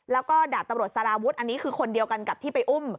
แล้วก็ดาบตำรวจสารวุฒิอันนี้คือคนเดียวกันกับที่ไปอุ้ม